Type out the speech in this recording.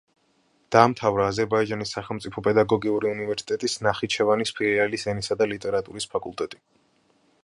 დაამთავრა აზერბაიჯანის სახელმწიფო პედაგოგიური უნივერსიტეტის ნახიჩევანის ფილიალის ენისა და ლიტერატურის ფაკულტეტი.